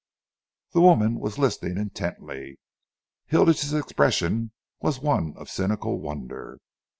The woman was listening intently. Hilditch's expression was one of cynical wonder.